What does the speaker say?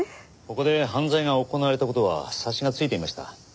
ここで犯罪が行われた事は察しがついていました。